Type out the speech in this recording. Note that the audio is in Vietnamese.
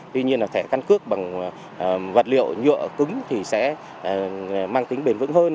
tuy nhiên là thẻ căn cước bằng vật liệu nhựa cứng thì sẽ mang tính bền vững hơn